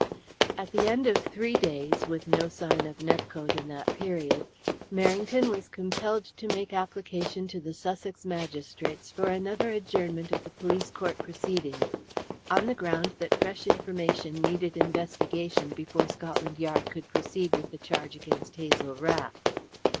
At the end of three days, with no sign of Nepcote in that period, Merrington was compelled to make application to the Sussex magistrates for another adjournment of the police court proceedings, on the ground that fresh information needed investigation before Scotland Yard could proceed with the charge against Hazel Rath.